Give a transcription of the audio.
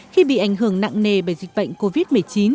khi bị ảnh hưởng nặng nề bởi dịch bệnh covid một mươi chín